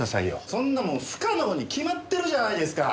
そんなもん不可能に決まってるじゃないですか！